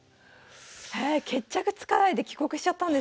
へえ決着つかないで帰国しちゃったんですね。